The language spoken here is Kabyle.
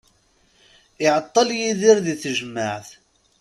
Iɛeṭṭel Yidir di tejmaɛt.